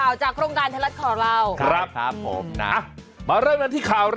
ว้าว